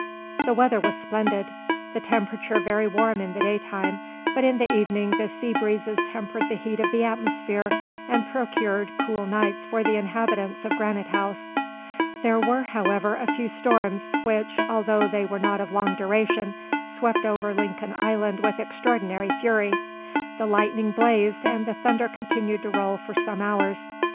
The weather was splendid, the temperature very warm in the day time; but in the evening the sea breezes tempered the heat of the atmosphere and procured cool nights for the inhabitants of Granite House. There were, however, a few storms, which, although they were not of long duration, swept over Lincoln Island with extraordinary fury. The lightning blazed and the thunder continued to roll for some hours.